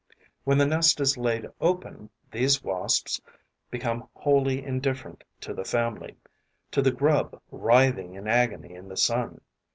When the nest is laid open, these Wasps become wholly indifferent to the family, to the grub writhing in agony in the sun.